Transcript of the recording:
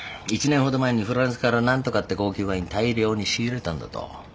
１年ほど前にフランスから何とかって高級ワイン大量に仕入れたんだと。